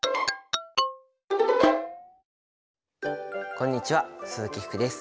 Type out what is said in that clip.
こんにちは鈴木福です。